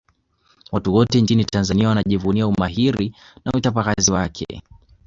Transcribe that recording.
watu wote nchini tanzania wanajivunia umahili na uchapakazi wake